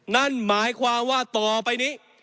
นั่นหมายความว่าต่อไปนี้